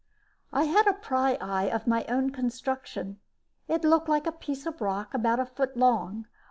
I had a pryeye of my own construction. It looked like a piece of rock about a foot long.